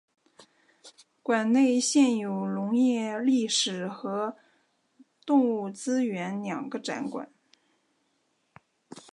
馆内现有农业历史和动物资源两个展馆。